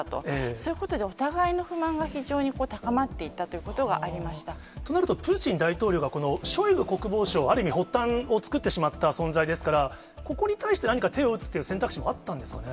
そういうことでお互いの不満が非常に高まっていったということがとなると、プーチン大統領がこのショイグ国防相、ある意味、発端を作ってしまった存在ですから、ここに対して何か手を打つっていう選択肢もあったんですかね？